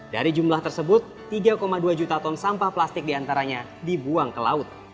dari jumlah tersebut tiga dua juta ton sampah plastik diantaranya dibuang ke laut